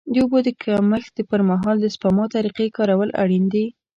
د اوبو د کمښت پر مهال د سپما طریقې کارول اړین دي.